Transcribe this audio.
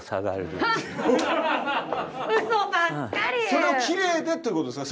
それはきれいでって事ですか？